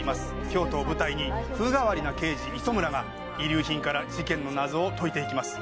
「京都を舞台に風変わりな刑事糸村が遺留品から事件の謎を解いていきます」